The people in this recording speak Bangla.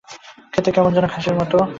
খেতে কেমন যেন ঘাসের মতো লাগছে।